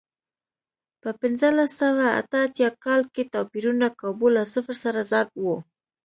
په پنځلس سوه اته اتیا کال کې توپیرونه کابو له صفر سره ضرب و.